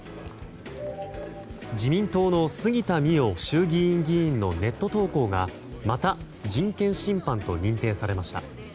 自民党の杉田水脈衆議院議員のネット投稿がまた人権侵犯と認定されました。